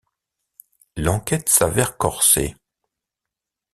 L'enquête s'avère corsée...